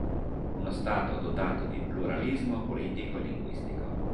Uno Stato dotato di pluralismo politico e linguistico.